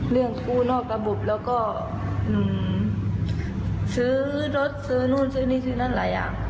กู้นอกระบบแล้วก็ซื้อรถซื้อนู่นซื้อนี่ซื้อนั่นหลายอย่าง